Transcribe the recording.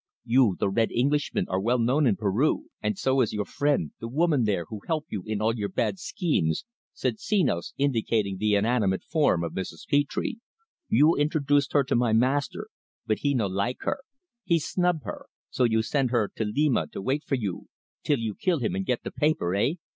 "You, the 'Red' Englishman, are well known in Peru, and so is your friend the woman there, who help you in all your bad schemes," said Senos, indicating the inanimate form of Mrs. Petre. "You introduced her to my master, but he no like her he snub her so you send her to Lima to wait for you till you kill him, and get the paper eh?